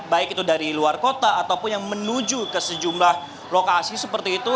baik itu dari luar kota ataupun yang menuju ke sejumlah lokasi seperti itu